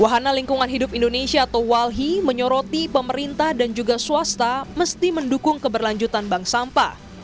wahana lingkungan hidup indonesia atau walhi menyoroti pemerintah dan juga swasta mesti mendukung keberlanjutan bank sampah